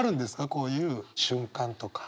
こういう瞬間とか。